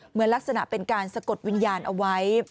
เหมือนลักษณะเป็นการสะกดวิญญาณเอาไว้